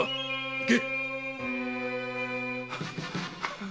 行け！